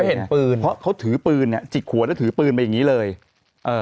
เห็นปืนเพราะเขาถือปืนเนี้ยจิกหัวแล้วถือปืนไปอย่างงี้เลยเอ่อ